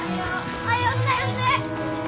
おはようございます！